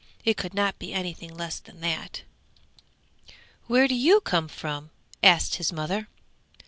It could not be anything less than that. 'Where do you come from?' asked his mother.